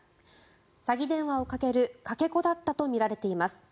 詐欺電話をかけるかけ子だったとみられています。